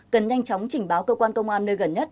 cần nhanh chóng trình báo cơ quan công an nơi gần nhất